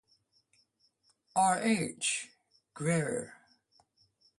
R. H. Greer.